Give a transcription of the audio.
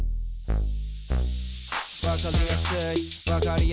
わかりやすいわかりやすい。